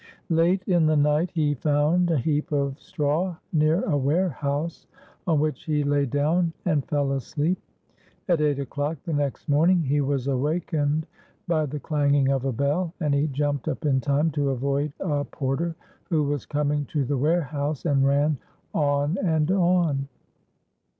Late in the night he found a heap of straw near a warehouse, on which he lay down and fell asleep. At eight o'clock the next morning he was awakened by the clanging of a bell, and he jumped up in time to avoid a porter who was coming to the warehouse, and ran "on and on."